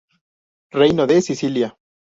Reino de Sicilia.